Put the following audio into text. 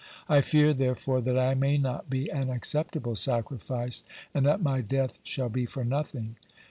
I fear, therefore, that I may not be an acceptable sacrifice, and that my death shall be for nothing."